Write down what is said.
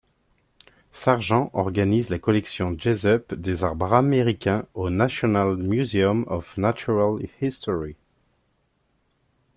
Sargent organise la collection Jesup des arbres américains au National Museum of Natural History.